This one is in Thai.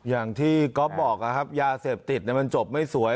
อย่างที่ก๊อฟบอกนะครับยาเสพติดมันจบไม่สวย